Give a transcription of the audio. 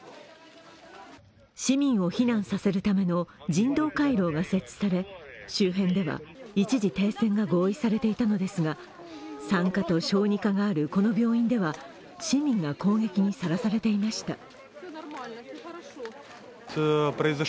市民を避難させるための人道回廊が設置され、周辺では一時停戦が合意されていたのですが、産科と小児科のあるこの病院では市民が攻撃にさらされていました。